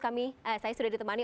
saya sudah ditemani